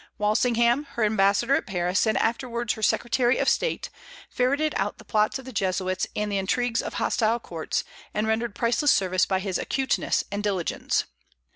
Walsingham, her ambassador at Paris, and afterwards her secretary of state, ferreted out the plots of the Jesuits and the intrigues of hostile courts, and rendered priceless service by his acuteness and diligence.